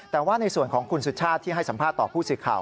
แต่ว่าในส่วนของคุณสุชาติที่ให้สัมภาษณ์ต่อผู้สื่อข่าว